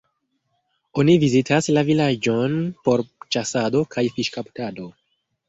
Oni vizitas la vilaĝon por ĉasado kaj fiŝkaptado.